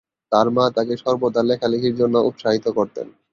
তার মা তাকে সর্বদা লেখালেখির জন্য উৎসাহিত করতেন।